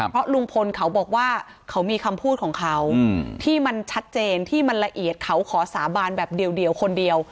เพราะลุงพลเขาบอกว่าเขามีคำพูดของเขาที่มันชัดเจนที่มันละเอียดเขาขอสาบานแบบเดียวคนเดียว